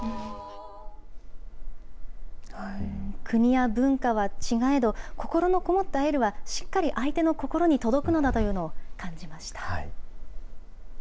国や文化は違えど、心の込もったエールは、しっかり相手の心に届くのだというのを感じました。